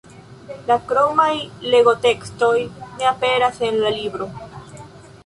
La kromaj legotekstoj ne aperas en la libro.